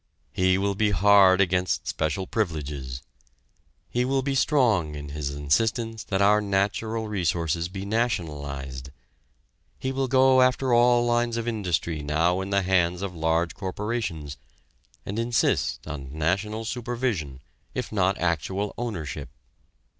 He will be hard against special privileges. He will be strong in his insistence that our natural resources be nationalized. He will go after all lines of industry now in the hands of large corporations, and insist on national supervision if not actual ownership.